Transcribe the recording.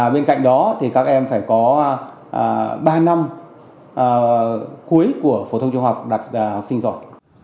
bên cạnh đó các em phải có ba năm cuối của phổ thông trung học đạt học sinh giỏi